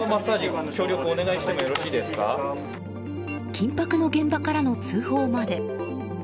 緊迫の現場からの通報まで。